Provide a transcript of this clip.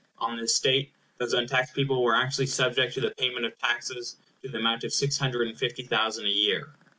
On this state, those untaxed people were actually subject to the payment of taxes to the amount of six hundred and fifty thousand a year.